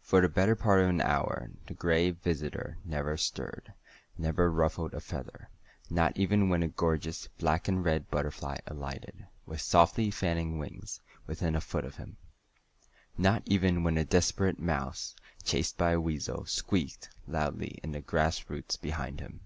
For the better part of an hour the Gray Visitor never stirred, never ruffled a feather not even when a gorgeous black and red butterfly alighted, with softly fanning wings, within a foot of him; not even when a desperate mouse, chased by a weasel, squeaked loudly in the grass roots behind him.